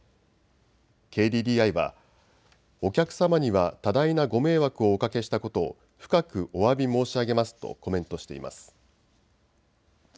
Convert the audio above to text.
ＫＤＤＩはお客様には多大なご迷惑をおかけしたことを深くおわび申し上げますとコメントしています。